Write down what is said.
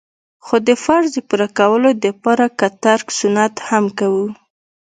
خو د فرض د پوره کولو د پاره که ترک سنت هم وکو.